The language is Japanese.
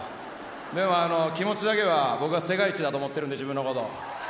でも気持ちだけは僕は世界一だと思っているんで自分のことを。